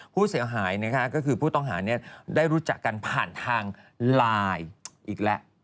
ผู้เสียหายนะคะก็คือผู้ต้องหาได้รู้จักกันผ่านทางไลน์อีกแล้ว